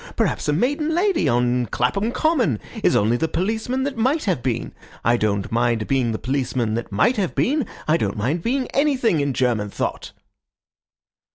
Perhaps a maiden lady on Clapham Common is only the policeman that might have been. I don't mind being the policeman that might have been. I don't mind being anything in German thought."